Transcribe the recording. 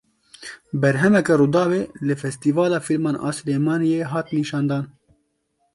Berhmeke Rûdawê li Festîvala Fîlman a Silêmaniyê hat nîşandan.